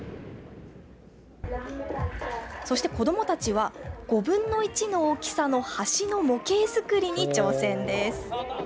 そして子どもたちは５分の１の大きさの橋の模型作りに挑戦です。